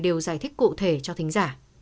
đều giải thích cụ thể cho thính giả